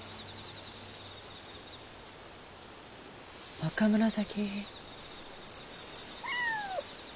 若紫。